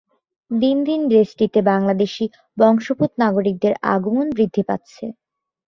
দিন দিন দেশটিতে বাংলাদেশী বংশোদ্ভূত নাগরিকদের আগমন বৃদ্ধি পাচ্ছে।